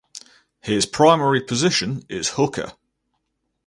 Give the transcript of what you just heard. His primary position is hooker.